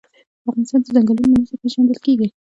افغانستان د ځنګلونه له مخې پېژندل کېږي.